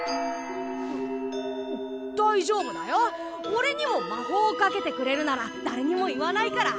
おれにも魔法をかけてくれるならだれにも言わないから。